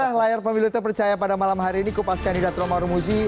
sudah layar pemilu terpercaya pada malam hari ini kupas kandidat romaro muzi